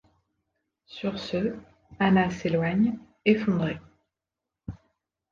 Sur ce, Anna s’éloigne, effondrée.